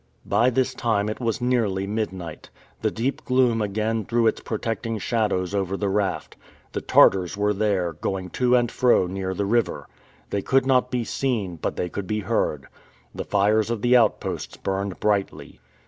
By this time it was nearly midnight. The deep gloom again threw its protecting shadows over the raft. The Tartars were there, going to and fro near the river. They could not be seen, but they could be heard. The fires of the outposts burned brightly.